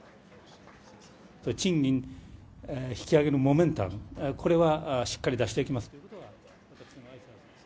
賃金引き上げのモメンタム、これはしっかり出していきます。